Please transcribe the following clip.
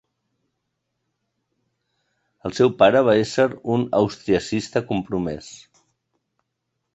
El seu pare va ésser un austriacista compromès.